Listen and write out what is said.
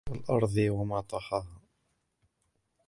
والأرض وما طحاها